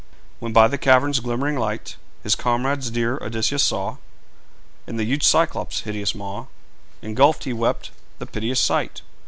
When by the cavern's glimmering light His comrades dear Odysseus saw In the huge Cyclops' hideous maw Engulfed, he wept the piteous sight.